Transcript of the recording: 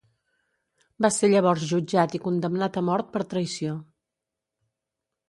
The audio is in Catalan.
Va ser llavors jutjat i condemnat a mort per traïció.